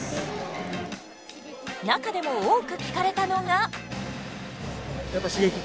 中でも多く聞かれたのが。